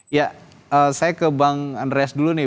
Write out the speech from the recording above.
ya saya ke bang andreas dulu nih